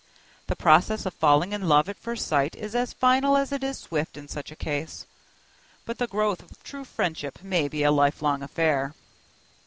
The process of falling in love at first sight is as final as it is swift in such a case, but the growth of true friendship may be a lifelong affair.